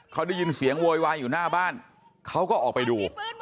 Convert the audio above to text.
เขาได้ยินเสียงโวยวายอยู่หน้าบ้านเขาก็ออกไปดู